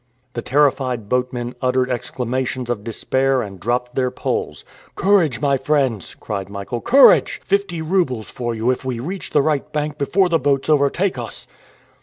The terrified boatmen uttered exclamations of despair and dropped their poles. "Courage, my friends!" cried Michael; "courage! Fifty roubles for you if we reach the right bank before the boats overtake us."